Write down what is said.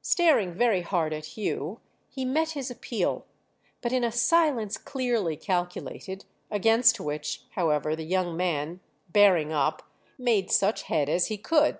Staring very hard at Hugh he met his appeal, but in a silence clearly calculated; against which, however, the young man, bearing up, made such head as he could.